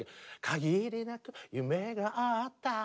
「限りなく夢があった」。